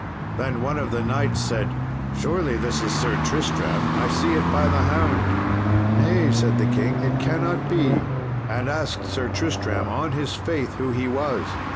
Then one of the knights said, "Surely this is Sir Tristram; I see it by the hound." "Nay," said the king, "it cannot be," and asked Sir Tristram on his faith who he was.